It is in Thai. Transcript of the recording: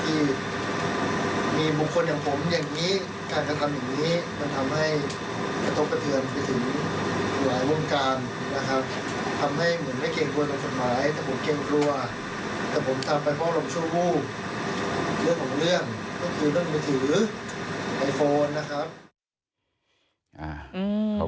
เรื่องของเรื่องก็คือเรื่องมือถือไอโฟนนะครับ